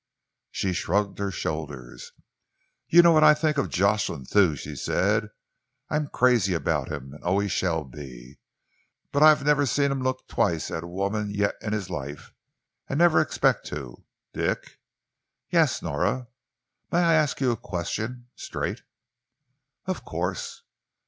She shrugged her shoulders. "You know what I think of Jocelyn Thew," she said. "I'm crazy about him, and always shall be, but I've never seen him look twice at a woman yet in his life, and never expect to. Dick!" "Yes, Nora?" "May I ask you a question straight?" "Of course!"